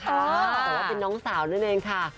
แต่ว่าเป็นน้องสาวนั่นเองค่ะ